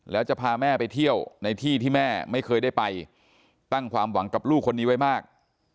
แล้วจะพาแม่ไปเที่ยวในที่ที่แม่ไม่เคยได้ไปตั้งความหวังกับลูกคนนี้ไว้มาก